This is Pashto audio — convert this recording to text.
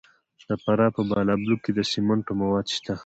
د فراه په بالابلوک کې د سمنټو مواد شته.